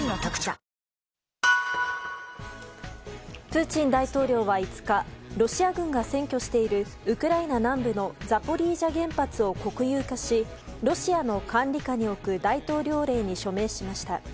プーチン大統領は５日ロシア軍が占拠しているウクライナ南部のザポリージャ原発を国有化しロシアの管理下に置く大統領令に署名しました。